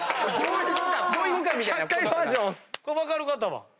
分かる方は？